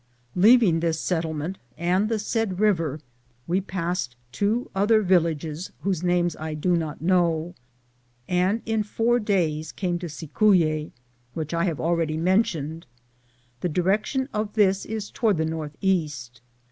Leaving this settlement' and the said river, we passed two other villages whose names I do not know,' and in four days came to Cicuique, which I have already men tioned. The direction of this is toward the northeast.